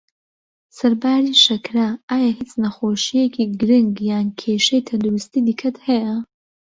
سەرباری شەکره، ئایا هیچ نەخۆشیەکی گرنگ یان کێشەی تەندروستی دیکەت هەیە؟